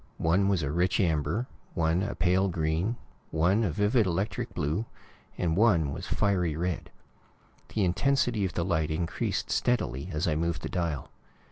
One was a rich amber, one a pale green, one a vivid, electric blue, and one was fiery red. The intensity of the light increased steadily as I moved the dial.